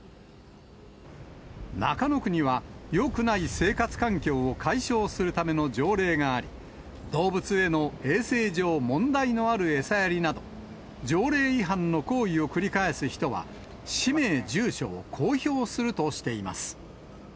中野区にはよくない生活環境を解消するための条例があり、動物への衛生上、問題のある餌やりなど、条例違反の行為を繰り返す人は氏名、住所を公表するとしています。